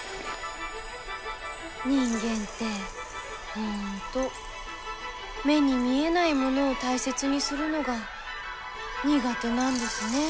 人間って本当目に見えないものを大切にするのが苦手なんですねえ。